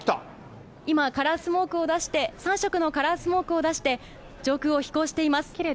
今、カラースモークを出して、３色のカラースモークを出して、上空を飛行しています。